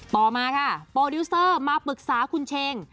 ต่อมาค่ะโปรดิวเซอร์มาปรึกษาคุณเชง